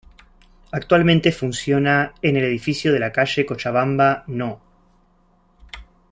Actualmente funciona en el edificio de la calle Cochabamba No.